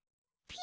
ピ。